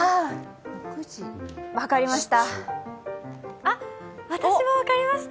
分かりました。